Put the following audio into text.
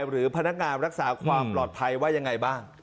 หรือพนักงานรักษาความปลอดภัยว่ายังไงบ้าง